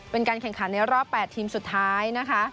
เป็นการแข่งขันในรอบ๘ทีมสุดท้ายนะคะ